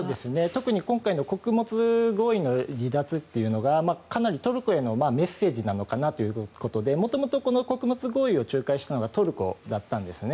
特に今回の穀物合意の離脱というのがかなりトルコへのメッセージかなということで元々この穀物合意を仲介したのがトルコだったんですね。